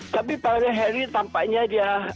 tapi pangeran harry tampaknya dia